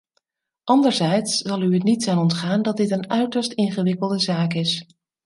Anderzijds zal het u niet zijn ontgaan dat dit een uiterst ingewikkelde zaak is.